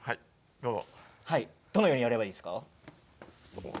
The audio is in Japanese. どのようにやればいいんですか？